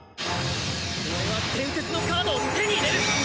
俺は伝説のカードを手に入れる！